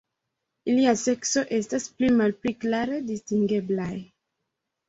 Iliaj seksoj estas pli malpli klare distingeblaj.